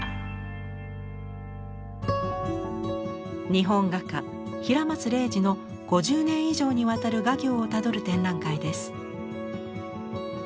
日本画家平松礼二の５０年以上にわたる画業をたどる展覧会です。